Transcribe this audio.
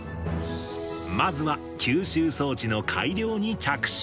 まずは吸収装置の改良に着手。